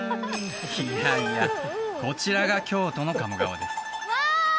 いやいやこちらが京都の鴨川ですうわ